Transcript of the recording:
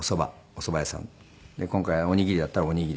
で今回おにぎりだったらおにぎり。